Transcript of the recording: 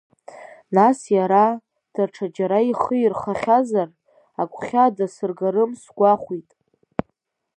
Нас иара, даҽа џьара ихы ирхахьазар, агәхьаа дасыргарым сгәахәит.